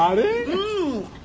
うん！